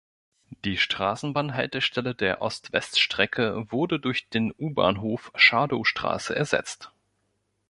Die Straßenbahnhaltestelle der Ost-West-Strecke wurde durch den U-Bahnhof Schadowstraße ersetzt.